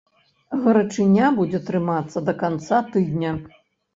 Гарачыня будзе трымацца да канца тыдня.